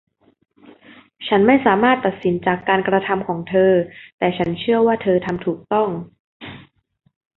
ฉันไม่สามารถตัดสินจากการกระทำของเธอ แต่ฉันเชื่อว่าเธอทำถูกต้อง